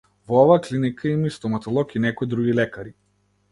Во оваа клиника има стоматолог и некои други лекари.